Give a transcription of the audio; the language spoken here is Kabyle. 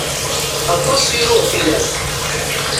Aṭas i ruɣ fell-am.